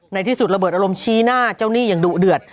ในที่สุดระเบิดอารมณ์ชี้หน้าเจ้าหนี้อย่างดุเดือด